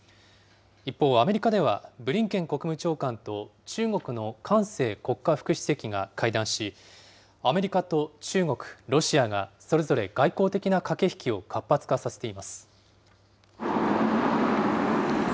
一方、アメリカではブリンケン国務長官と中国の韓正国家副主席が会談し、アメリカと中国、ロシアがそれぞれ外交的な駆け引きを活発化させています。